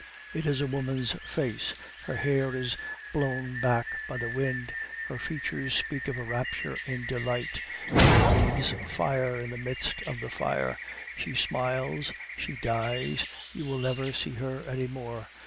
It is a woman's face, her hair is blown back by the wind, her features speak of a rapture of delight; she breathes fire in the midst of the fire. She smiles, she dies, you will never see her any more.